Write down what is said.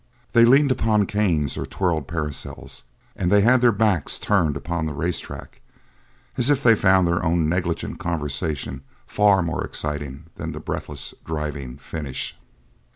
They leaned upon canes or twirled parasols and they had their backs turned upon the racetrack as if they found their own negligent conversation far more exciting than the breathless, driving finish.